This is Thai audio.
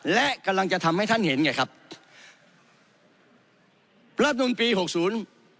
และกำลังจะทำให้ท่านเห็นไงครับรับนูลปีหกศูนย์